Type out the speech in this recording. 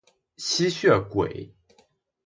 吸血鬼